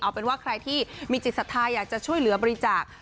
เอาเป็นว่าใครที่มีจิตศรัทธาอยากจะช่วยเหลือบริจาค